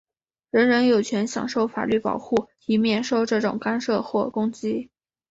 人人有权享受法律保护,以免受这种干涉或攻击。